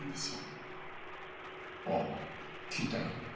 ああ聞いたよ。